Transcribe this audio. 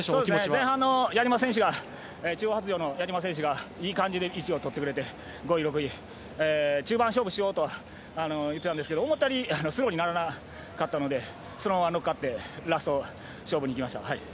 前半の矢嶋選手が中央発條の矢嶋選手がいい感じで位置を取ってくれて５位、６位中盤勝負しようと言ってたんですけど思ったより長かったのでそのまま乗っかってラスト勝負にいきました。